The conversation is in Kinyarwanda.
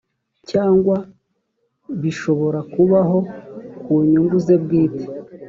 cyangwa bishobora kubaho ku nyungu ze bwite